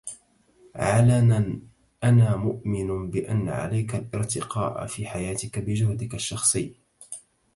علنا، أنا مؤمن بأن عليك الارتقاء في حياتك بجهدك الشخصي.